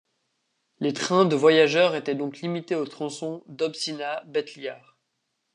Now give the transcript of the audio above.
Les trains de voyageurs était donc limités au tronçon Dobšiná - Betliar.